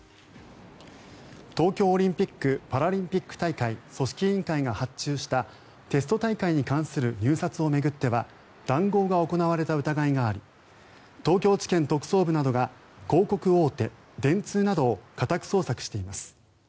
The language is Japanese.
東京オリンピック・パラリンピック大会組織委員会が発注したテスト大会に関する入札を巡っては談合が行われた疑いがあり東京地検特捜部などが広告大手、電通などを家宅捜索しています。